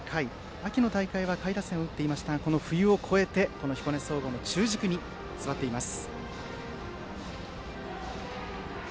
秋の大会は下位打線を打っていましたがこの冬を越えて彦根総合の中軸に座っています。